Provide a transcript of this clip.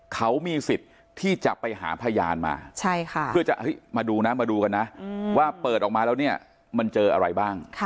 เขามีสิทธิ์ที่จะไปหาพยานมาเพื่อจะมาดูนะมาดูกันนะว่าเปิดออกมาแล้วเนี่ยมันเจออะไรบ้าง